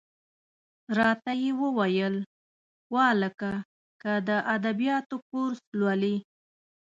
را ته یې وویل: وهلکه! که د ادبیاتو کورس لولې.